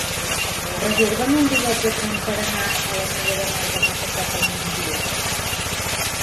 Reserva'm un bitllet de tren per anar a l'Ametlla de Mar demà passat al migdia.